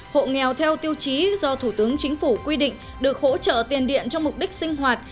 hộ nghèo theo tiêu chí do thủ tướng chính phủ quy định được hỗ trợ tiền điện cho mục đích sinh hoạt